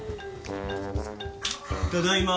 ただいま。